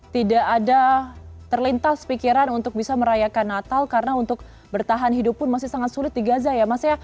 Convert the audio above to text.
tidak ada terlintas pikiran untuk bisa merayakan natal karena untuk bertahan hidup pun masih sangat sulit di gaza ya mas ya